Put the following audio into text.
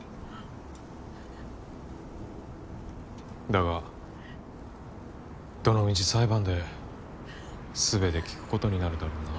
だがどのみち裁判ですべて聞くことになるだろうな。